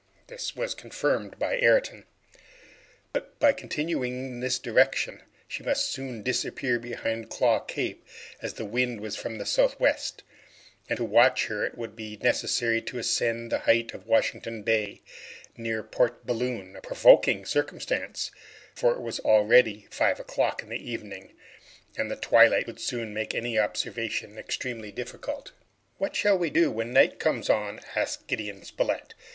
This was confirmed by Ayrton. But by continuing in this direction she must soon disappear behind Claw Cape, as the wind was from the southwest, and to watch her it would be then necessary to ascend the height of Washington Bay, near Port Balloon a provoking circumstance, for it was already five o'clock in the evening, and the twilight would soon make any observation extremely difficult. "What shall we do when night comes on?" asked Gideon Spilett.